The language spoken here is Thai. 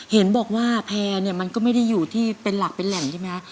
เห็นบอกว่าแพร่เนี่ยมันก็ไม่ได้อยู่ที่เป็นหลักเป็นแหล่งใช่ไหมคะ